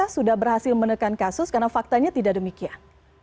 sudah berhasil menekan kasus karena faktanya tidak demikian